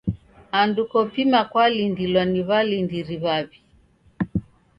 Andu kopima kwalindilwa ni w'alindiri w'aw'i.